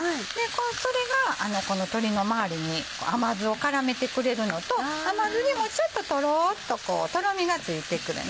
それが鶏のまわりに甘酢を絡めてくれるのと甘酢にもちょっとトロっととろみがついてくるのね。